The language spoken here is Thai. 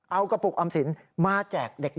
เอากระปุกออมสินมาแจกเด็ก